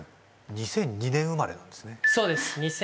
２００２年生まれですね